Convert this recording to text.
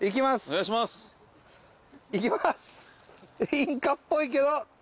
インカっぽいけど。